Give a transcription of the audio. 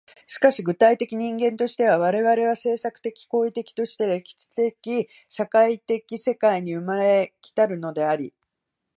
しかし具体的人間としては、我々は制作的・行為的として歴史的・社会的世界に生まれ来たるのであり、